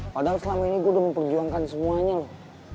padahal selama ini gue udah memperjuangkan semuanya loh